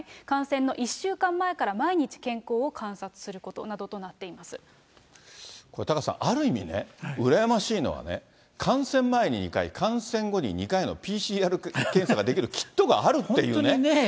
観戦の１週間前から毎日健康を観察するということなどとなっていこれ、タカさん、ある意味ね、羨ましいのはね、観戦前に２回、観戦後に２回のＰＣＲ検査ができるキットがあるっていうね。